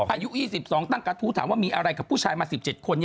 อายุ๒๒ตั้งกระทู้ถามว่ามีอะไรกับผู้ชายมา๑๗คน